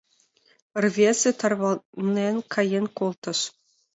Рвезе тарванен каен колтыш.